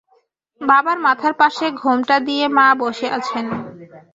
বাবার মাথার পাশে ঘোমটা দিয়ে মা বসে আছেন।